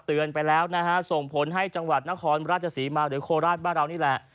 เตือนไปแล้วนะฮะส่งผลให้จังหวัดนครราชศรีมาหรือโคราชบ้านเรานี่แหละ